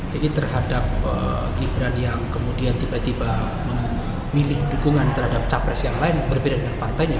jadi terhadap gibran yang kemudian tiba tiba memilih dukungan terhadap capres yang lain yang berbeda dengan partainya